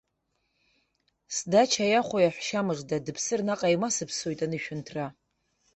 Сдача иаху иаҳәшьа мыжда, дыԥсыр, наҟ еимасыԥсоит анышәынҭра.